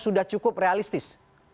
atau sudah cukup realistis